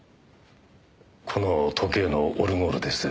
この時計のオルゴールです。